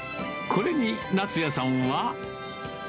これに夏也さんは。